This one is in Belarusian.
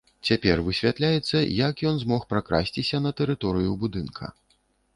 Цяпер высвятляецца, як ён змог пракрасціся на тэрыторыю будынка.